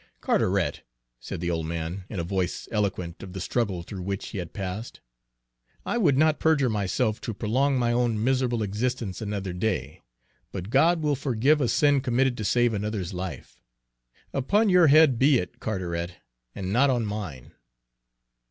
"Carteret," said the old man, in a voice eloquent of the struggle through which he had passed, "I would not perjure myself to prolong my own miserable existence another day, but God will forgive a sin committed to save another's life. Upon your head be it, Carteret, and not on mine!"